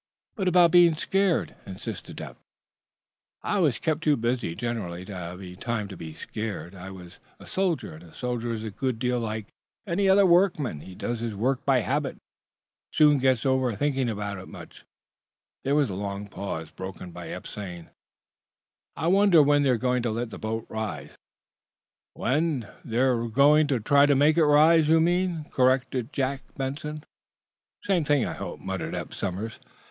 "But about being scared?" insisted Eph. "I was kept too busy, generally, to have any time to give to being scared. I was a soldier, and a soldier is a good deal like any other workman. He does his work by habit, and soon gets over thinking much about it." There was a long pause, broken by Eph, saying: "I wonder when they're going to let the boat rise?" "When they're going to try to make it rise, you mean," corrected Jack Benson. "Same thing, I hope," muttered Eph Somers.